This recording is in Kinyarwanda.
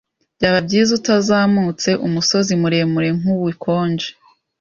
Byaba byiza utazamutse umusozi muremure nkubukonje.